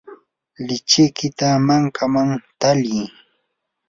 lichikita mankaman tali.